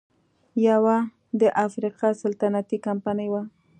یوه د افریقا سلطنتي کمپنۍ وه.